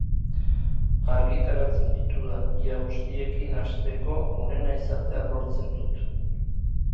Argitaratzen ditudan ia guztiekin asteko onena izatea lortzen dut.